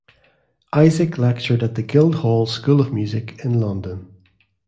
Isaac lectured at the Guildhall School of Music in London.